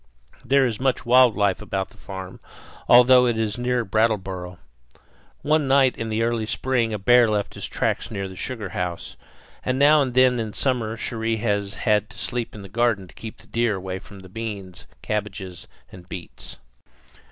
There is much wild life about the farm, although it is near Brattleboro. One night in early spring a bear left his tracks near the sugar house; and now and then in summer Cherrie has had to sleep in the garden to keep the deer away from the beans, cabbages, and beets.